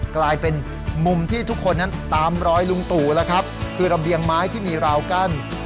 กลายเป็นมุมที่ทุกคนนั้นตามรอยลุงตู่แล้วครับคือระเบียงไม้ที่มีราวกั้น